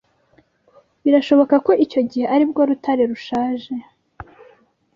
birashoboka ko icyo gihe aribwo rutare rushaje